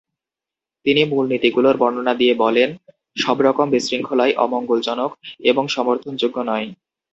তিনি মূলনীতিগুলোর বর্ণনা দিয়ে বলেন সবরকম বিশৃঙ্খলাই অমঙ্গলজনক এবং সমর্থনযোগ্য নয়।